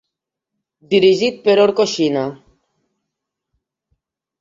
Dirigit per Orko Sinha.